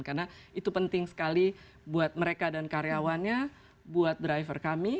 karena itu penting sekali buat mereka dan karyawannya buat driver kami